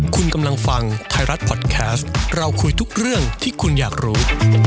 คุณกำลังฟังไทยรัฐพอดแคสต์เราคุยทุกเรื่องที่คุณอยากรู้